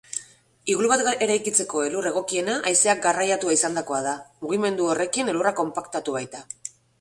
Iglu bat eraikitzeko elur egokiena haizeak garraiatua izandakoa da, mugimendu horrekin elurra konpaktatu baita.